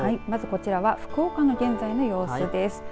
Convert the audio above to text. まずこちらは福岡の現在の様子です。